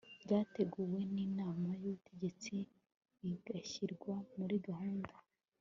byateguwe n inama y ubutegetsi bigashyirwa muri gahunda